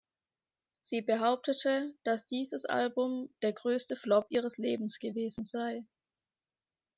Sie behauptete, dass dieses Album der größte Flop ihres Lebens gewesen sei.